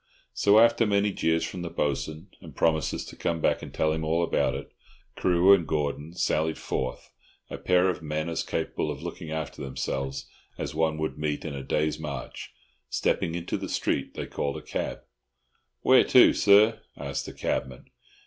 So, after many jeers from the Bo'sun, and promises to come back and tell him all about it, Carew and Gordon sallied forth, a pair of men as capable of looking after themselves as one would meet in a day's march. Stepping into the street they called a cab. "Where to, sir?" asked the cabman.